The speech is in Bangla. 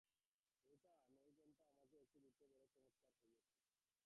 বৌঠান, ঐ ঘন্টটা আমাকে আর-একটু দিতে হইবে, বড়ো চমৎকার হইয়াছে।